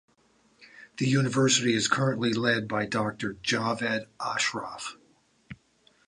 The university is currently led by Doctor Javed Ashraf.